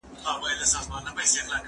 زه پرون اوبه ورکړې؟!